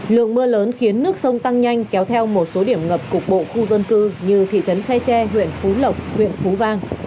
lượng mưa lớn khiến nước sông tăng nhanh kéo theo một số điểm ngập cục bộ khu dân cư như thị trấn khe tre huyện phú lộc huyện phú vang